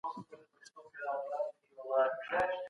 په راتلونکي کي به د پرمختګ له پاره نوي ګامونه پورته سي.